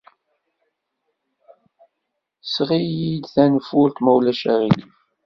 Seɣ-iyi-d tanfult, ma ulac aɣilif.